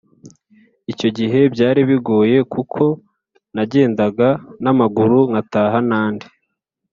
icyo gihe byari bigoye kuko nagendaga namaguru nkataha nandi